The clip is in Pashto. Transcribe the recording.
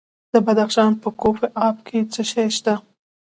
د بدخشان په کوف اب کې څه شی شته؟